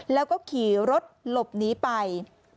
แล้วก็ขี่รถหลบหนีไป